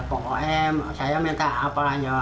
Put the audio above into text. pokoknya saya minta apa aja